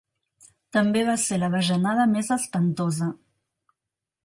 També va ser la bajanada més espantosa.